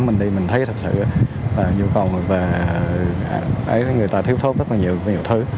mình đi mình thấy thật sự là nhu cầu và người ta thiếu thốt rất là nhiều thứ